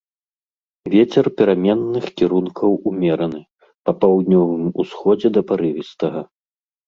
Вецер пераменных кірункаў умераны, па паўднёвым усходзе да парывістага.